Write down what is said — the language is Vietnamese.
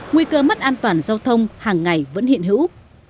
nguy cơ mất an toàn giao thông hàng ngày vẫn hiện hữu